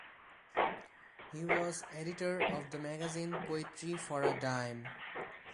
He was editor of the magazine "Poetry for a Dime".